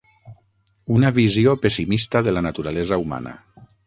Una visió pessimista de la naturalesa humana.